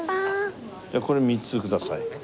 これ３つください。